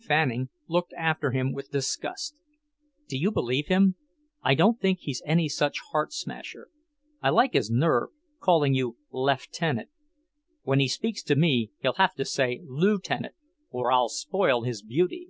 Fanning looked after him with disgust. "Do you believe him? I don't think he's any such heart smasher. I like his nerve, calling you `Leftenant'! When he speaks to me he'll have to say Lootenant, or I'll spoil his beauty."